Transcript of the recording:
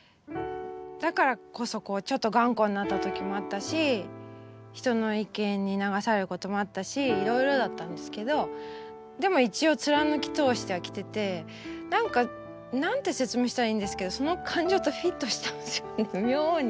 だからこそこうちょっと頑固になった時もあったし人の意見に流されることもあったしいろいろだったんですけどでも一応貫き通してはきてて何か何て説明したらいいんですけどその感情とフィットしたんですよね妙に。